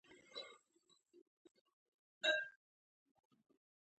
دا یوازې د یوې ورځې کیسه نه ده، دلته هره ورځ داسې کېږي.